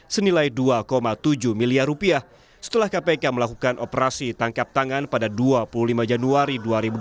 senilai dua tujuh miliar rupiah setelah kpk melakukan operasi tangkap tangan pada dua puluh lima januari dua ribu dua puluh